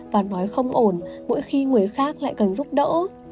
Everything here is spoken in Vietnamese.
và nói không ổn mỗi khi người khác lại cần giúp đỡ